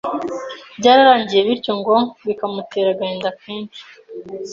byararangiye bityo ngo bikamutera agahinda kenshi.